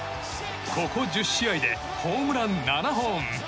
ここ１０試合でホームラン７本！